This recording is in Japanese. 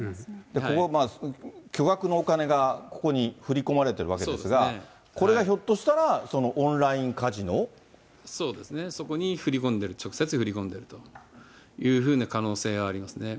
ここ、巨額のお金がここに振り込まれてるわけですが、これがひょっとしたら、そうですね、そこに振り込んでる、直接、振り込んでるというふうな可能性がありますね。